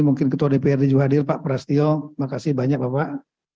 mungkin ketua dpr juga hadir pak prasetyo terima kasih banyak bapak